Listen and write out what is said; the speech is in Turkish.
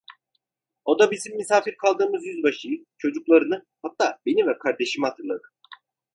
O da bizim misafir kaldığımız yüzbaşıyı, çocuklarını, hatta beni ve kardeşimi hatırladı.